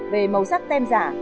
về màu sắc tem giả